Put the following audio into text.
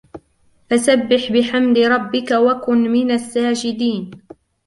فسبح بحمد ربك وكن من الساجدين